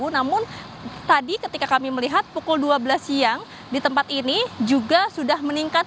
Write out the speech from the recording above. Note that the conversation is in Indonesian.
namun tadi ketika kami melihat pukul dua belas siang di tempat ini juga sudah meningkat